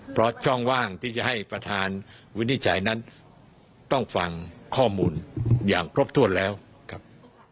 เพราะช่องว่างที่จะให้ประธานวินิจฉัยนั้นต้องฟังข้อมูลอย่างครบถ้วนแล้วครับ